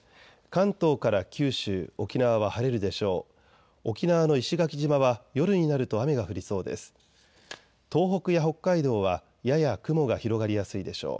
関東から九州、沖縄は晴れるでしょう。